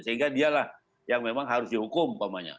sehingga dialah yang memang harus dihukum umpamanya